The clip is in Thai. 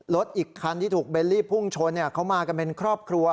รถอีกครั้งที่ถูกเบรนลี่พุ่งชนนี่เขามาเป็นครอบครัว